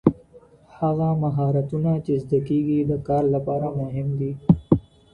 هغه مهارتونه چی زده کيږي د کار لپاره مهم دي.